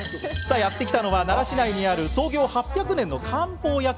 やって来たのは奈良市内にある創業８００年の漢方薬局。